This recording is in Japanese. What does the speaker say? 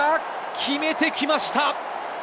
決めてきました。